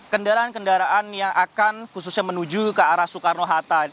kendaraan kendaraan yang akan khususnya menuju ke arah soekarno hatta